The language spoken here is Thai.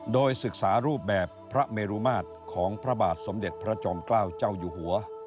โดยศึกษารูปแบบพระเมรุมาตรของพระบาทสมเด็จพระจอมเกล้าเจ้าอยู่หัว